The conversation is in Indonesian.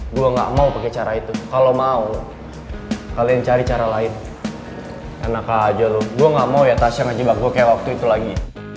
gua gak mau pake cara itu kalo mau kalian cari cara lain enak aja lo gua gak mau ya tasya ngejebak gua kayak waktu itu lagi